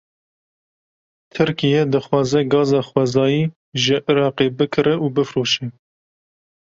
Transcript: Tirkiye, dixwaze gaza xwezayî ji Îraqê bikire û bifroşe